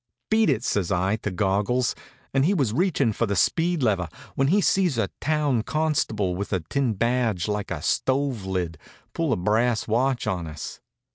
"Beat it!" says I to Goggles, and he was reachin' for the speed lever, when he sees a town constable, with a tin badge like a stove lid, pull a brass watch on us.